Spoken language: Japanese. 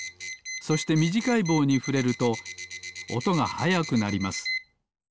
そしてみじかいぼうにふれるとおとがはやくなります。